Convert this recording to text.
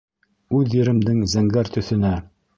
Үҙ еремдең зәңгәр төҫөнә.